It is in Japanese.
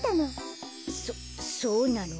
そそうなの？